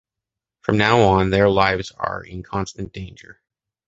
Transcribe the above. From now on, their lives are in constant danger.